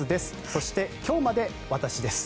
そして、今日まで私です。